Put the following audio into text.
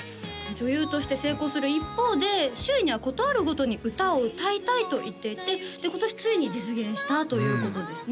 女優として成功する一方で周囲にはことあるごとに歌を歌いたいと言っていてで今年ついに実現したということですね